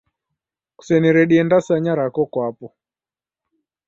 Kuseniredie ndasanya rako kwapo